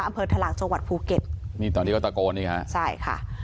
อำเภอถลากจังหวัดภูเก็ตนี่ตอนนี้ก็ตะโกนนี่ฮะใช่ค่ะ